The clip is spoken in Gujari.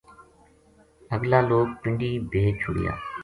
اگلا لوک پنڈی بھیج چُھڑیا